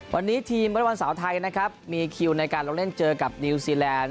วันนี้ทีมวอเล็กบอลสาวไทยนะครับมีคิวในการลงเล่นเจอกับนิวซีแลนด์